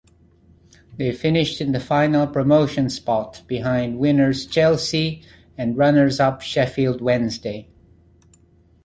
They finished in the final promotion spot behind winners Chelsea and runners-up Sheffield Wednesday.